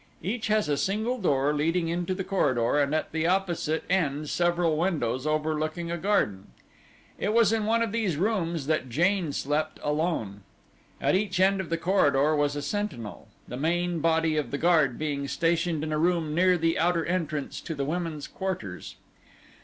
Each has a single door leading into the corridor and at the opposite end several windows overlooking a garden. It was in one of these rooms that Jane slept alone. At each end of the corridor was a sentinel, the main body of the guard being stationed in a room near the outer entrance to the women's quarters.